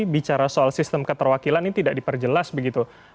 bicara soal sistem keterwakilan ini tidak diperjelas begitu